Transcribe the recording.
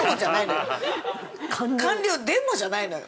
◆官僚でもじゃないのよ。